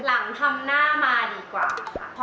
หลังทำหน้ามาดีกว่าค่ะ